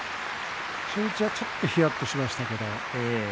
初日はちょっとひやっとしましたけど。